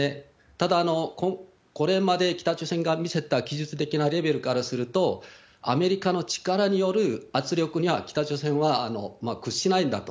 ただ、これまで北朝鮮が見せた技術的なレベルからすると、アメリカの力による圧力には北朝鮮は屈しないんだと。